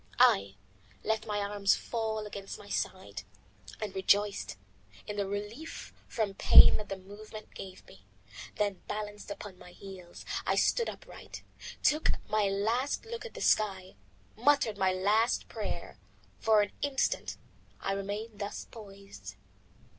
I let my arms fall against my sides, and rejoiced in the relief from pain that the movement gave me. Then balanced upon my heels, I stood upright, took my last look at the sky, muttered my last prayer. For an instant I remained thus poised.